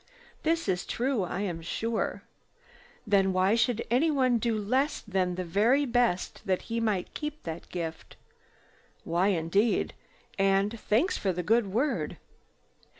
This is true, I am sure. Then why should anyone do less than the very best that he might keep that gift?" "Why indeed? And thanks for the good word."